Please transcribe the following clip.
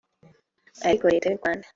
ariko Leta y’u Rwanda